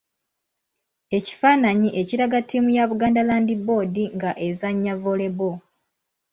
Ekifaananyi ekiraga ttiimu ya Buganda Land Board nga ezannya Volleyball.